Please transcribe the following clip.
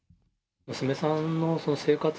娘さんの生活？